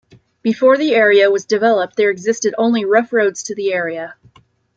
Before the area was developed, there existed only rough roads to the area.